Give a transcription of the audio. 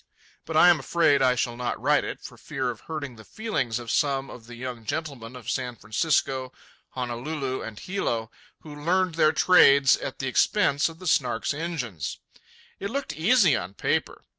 But I am afraid I shall not write it, for fear of hurting the feelings of some of the young gentlemen of San Francisco, Honolulu, and Hilo, who learned their trades at the expense of the Snark's engines. It looked easy on paper.